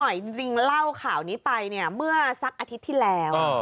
จริงเล่าข่าวนี้ไปเนี่ยเมื่อสักอาทิตย์ที่แล้ว